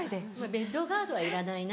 ベッドガードはいらないな。